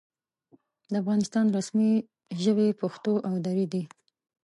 د افغانستان رسمي ژبې پښتو او دري دي.